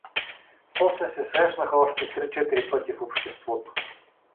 После се срещнаха още три-четири пъти в обществото.